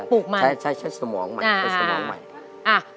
ใช่ใช่ใช่ใช้สมองใหม่